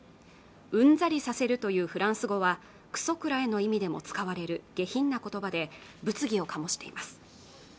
うんざりさせるというフランス語はくそくらえの意味でも使われる下品な言葉で物議を醸しています